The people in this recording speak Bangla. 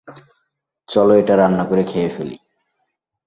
চলো এটা রান্না করে খেয়ে ফেলি।